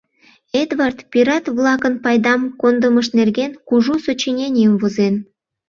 Эдвард “Пират-влакын пайдам кондымышт нерген” кужу сочиненийым возен.